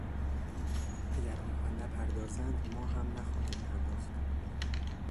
اگر آنها نپردازند ما هم نخواهیم پرداخت.